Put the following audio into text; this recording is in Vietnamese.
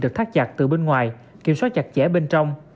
được thắt chặt từ bên ngoài kiểm soát chặt chẽ bên trong